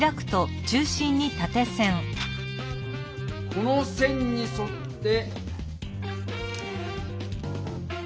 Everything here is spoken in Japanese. この線にそっておる。